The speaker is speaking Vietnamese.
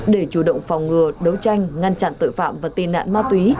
để chủ động phòng ngừa đấu tranh ngăn chặn tội phạm và tị nạn ma túy